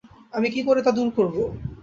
আমি কী করে তা দূর করব?